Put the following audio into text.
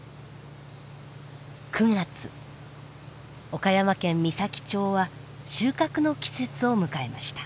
岡山県美咲町は収穫の季節を迎えました。